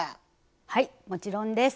はいもちろんです。